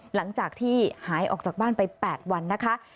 หลังจากที่หายออกจากบ้านไป๘วันนะคะ